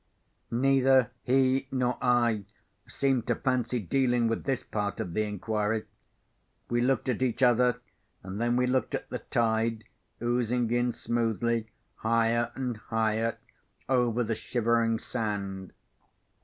Neither he nor I seemed to fancy dealing with this part of the inquiry. We looked at each other, and then we looked at the tide, oozing in smoothly, higher and higher, over the Shivering Sand.